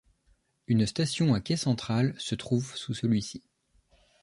Une station à quai central se trouve sous celui-ci.